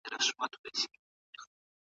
مذهبي لږکي خپلواکي سیاسي پریکړي نه سي کولای.